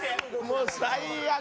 もう最悪！